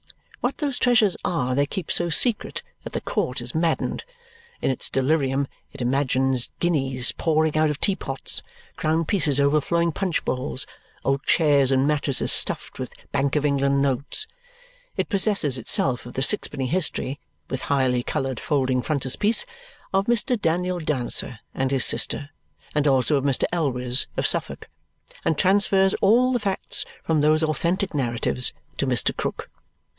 What those treasures are they keep so secret that the court is maddened. In its delirium it imagines guineas pouring out of tea pots, crown pieces overflowing punch bowls, old chairs and mattresses stuffed with Bank of England notes. It possesses itself of the sixpenny history (with highly coloured folding frontispiece) of Mr. Daniel Dancer and his sister, and also of Mr. Elwes, of Suffolk, and transfers all the facts from those authentic narratives to Mr. Krook.